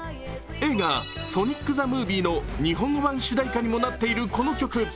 映画「ソニック・ザ・ムービー」の日本語版主題歌にもなっているこの曲。